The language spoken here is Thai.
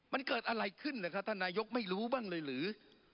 มันเกิดอะไรขึ้นนะครับท่านนายกไม่รู้บ้างเลยหรือ